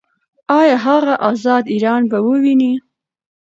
ایا هغه ازاد ایران به وویني؟